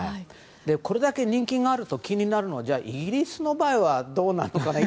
これだけ人気があると気になるのがじゃあイギリスの場合はどうなのか。